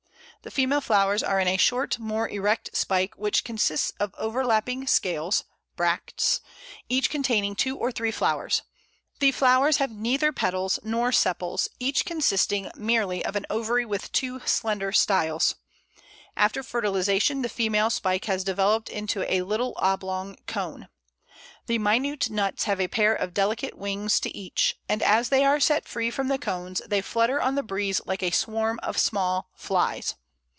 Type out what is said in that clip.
The female flowers are in a short, more erect spike, which consists of overlapping scales (bracts), each containing two or three flowers. The flowers have neither petals nor sepals, each consisting merely of an ovary with two slender styles. After fertilization the female spike has developed into a little oblong cone. The minute nuts have a pair of delicate wings to each, and as they are set free from the cones they flutter on the breeze like a swarm of small flies.